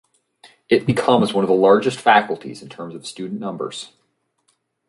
It becomes one of the largest faculties in terms of student numbers.